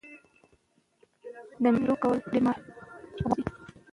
د مینې څرګندول د زړونو ناروغۍ کموي.